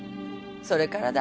それからだ。